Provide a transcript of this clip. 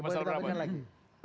boleh ditampilkan lagi